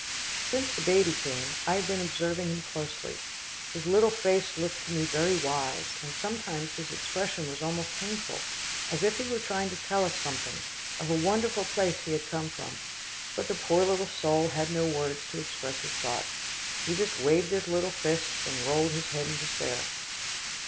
Since the baby came, I had been observing him closely. His little face looked to me very wise, and sometimes his expression was almost painful, as if he were trying to tell us something of a wonderful place he had come from. But the poor little soul had no words to express his thoughts. He just waved his little fists, and rolled his head in despair.